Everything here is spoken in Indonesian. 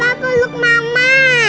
papa peluk mama